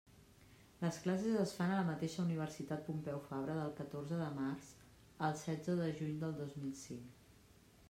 Les classes es fan a la mateixa Universitat Pompeu Fabra del catorze de març al setze de juny del dos mil cinc.